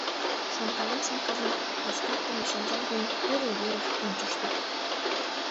Шонкален-шонкален, пашкартыме шинчаж дене тӱрлӧ верыш ончышто.